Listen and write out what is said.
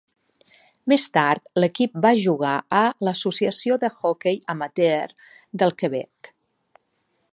Més tard l'equip va jugar a l'Associació de Hockey Amateur del Quebec.